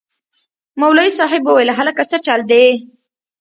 مولوي صاحب وويل هلکه سه چل دې.